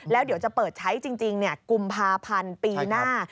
แล้วเดี๋ยวจะเปิดใช้จริงกุมภาพันธ์ปีหน้า